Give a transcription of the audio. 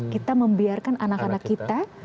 kita membiarkan anak anak kita